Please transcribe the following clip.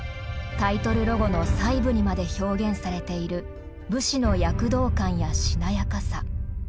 タイトルロゴの細部にまで表現されている武士の躍動感やしなやかさ。